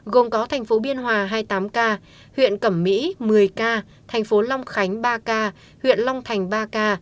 gồm có tp biên hòa hai mươi tám ca huyện cẩm mỹ một mươi ca tp long khánh ba ca huyện long thành ba ca